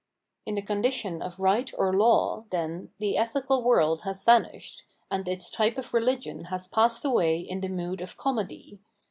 * In the condition of right or law, then, the ethical world has vanished, and its type of religion has passed away in the mood of Comedy.